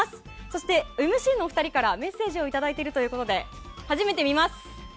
そしてＭＣのお二人からメッセージをいただいているということで初めて見ます。